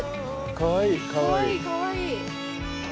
かわいいかわいい。